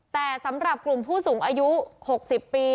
แต่สำหรับกลุ่มผู้สูงอายุ๖๐ปี